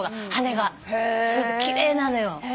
奇麗なのよ。